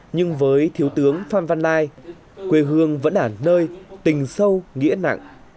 nhưng với thiếu tướng phan văn lai quê hương vẫn là nơi tình sâu nghĩa nặng